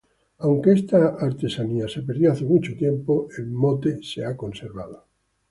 Aunque esta artesanía se perdió hace tiempo, el mote se ha conservado.